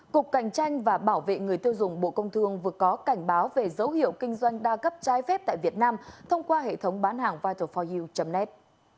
cục cảnh tranh và bảo vệ người tiêu dùng bộ công thương vừa có cảnh báo về dấu hiệu kinh doanh đa cấp trái phép tại việt nam thông qua hệ thống bán hàng vital bốn u net